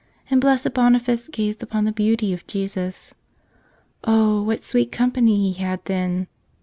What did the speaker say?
And Blessed Boniface gazed upon the beauty of Jesus. Oh, what sweet company he had then!